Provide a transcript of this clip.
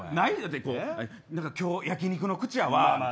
今日、焼き肉の口やわ。